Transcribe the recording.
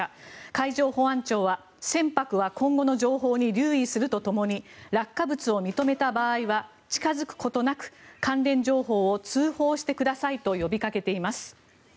海上保安庁は船舶は今後の情報に留意するとともに落下物を認めた場合は近付くことなく関連情報を通報してくださいと呼びかけています。